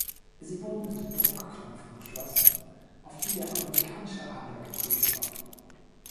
Sie wurden mit Druckknöpfen geschlossen, auf die der amerikanische Adler geprägt war.